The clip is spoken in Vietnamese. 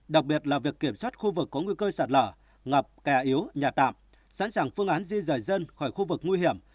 đặc biệt là việc kiểm soát khu vực có nguy cơ sạt lở ngập kè yếu nhà tạm sẵn sàng phương án di rời dân khỏi khu vực nguy hiểm